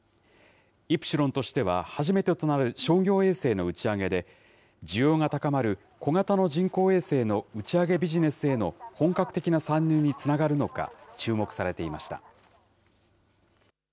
イプシロンとしては初めてとなる商業衛星の打ち上げで、需要が高まる小型の人工衛星の打ち上げビジネスへの本格的な参入につながるのか、注目されていました。